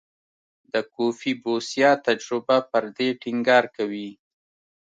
د کوفي بوسیا تجربه پر دې ټینګار کوي.